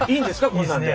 こんなんで。